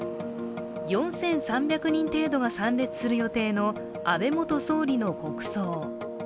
４３００人程度が参列する予定の安倍元総理の国葬。